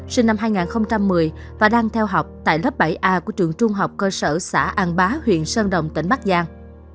sinh năm hai nghìn một mươi và đang theo học tại lớp bảy a của trường trung học cơ sở xã an bá huyện sơn đồng tỉnh bắc giang